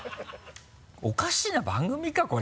おかしな番組か？